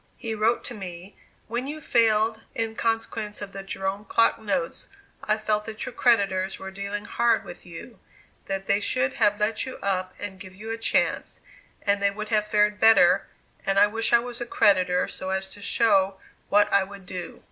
He wrote to me: "when you failed in consequence of the Jerome clock notes, I felt that your creditors were dealing hard with you; that they should have let you up and give you a chance, and they would have fared better and I wish I was a creditor so as to show what I would do."